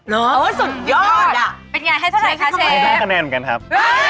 เป็นอย่างไรครับ